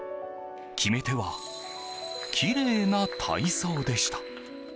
決め手は、きれいな体操でした。